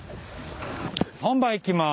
本番いきます。